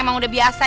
emang udah biasa